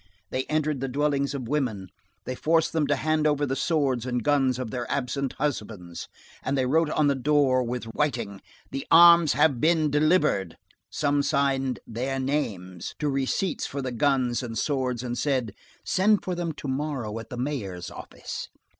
They entered the dwellings of women, they forced them to hand over the swords and guns of their absent husbands, and they wrote on the door, with whiting: "The arms have been delivered"; some signed "their names" to receipts for the guns and swords and said: "Send for them to morrow at the Mayor's office."